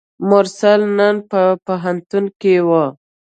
مرسل نن په پوهنتون کې وه.